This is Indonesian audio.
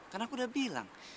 kan aku udah bilang